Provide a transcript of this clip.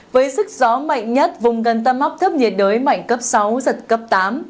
với sức gió mạnh nhất vùng gần tâm áp thấp nhiệt đới mạnh cấp sáu giật cấp tám